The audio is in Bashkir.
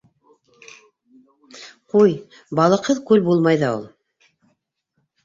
- Ҡуй, балыҡһыҙ күл булмай ҙа ул.